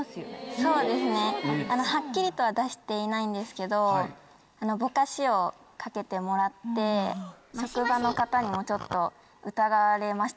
そうですねはっきりとは出していないんですけどぼかしをかけてもらって職場の方にもちょっと疑われましたね。